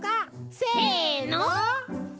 せの。